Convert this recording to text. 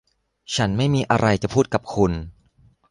ฉันไม่มีอะไรจะพูดกับคุณ